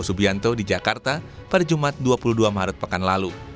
ketua koordinator strategis tkn prabowo subianto di jakarta pada jumat dua puluh dua maret pekan lalu